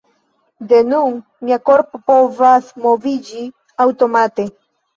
De nun, mia korpo povas moviĝi aŭtomate.